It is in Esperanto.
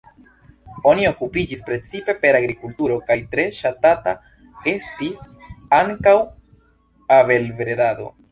Oni okupiĝis precipe per agrikulturo kaj tre ŝatata estis ankaŭ abelbredado.